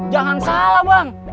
jangan salah bang